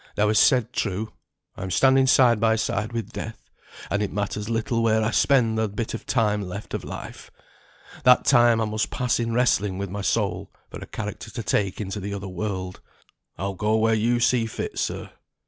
Thou hast said true, I am standing side by side with Death; and it matters little where I spend the bit of time left of Life. That time I must pass in wrestling with my soul for a character to take into the other world. I'll go where you see fit, sir.